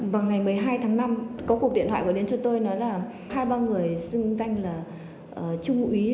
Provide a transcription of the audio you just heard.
vào ngày một mươi hai tháng năm có cuộc điện thoại gọi đến cho tôi nói là hai ba người xưng danh là trung úy